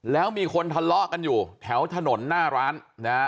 แล้วมีคนทะเลาะกันอยู่แถวถนนหน้าร้านนะฮะ